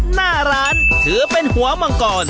หน้าร้านถือเป็นหัวมังกร